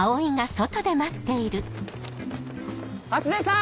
初音さん！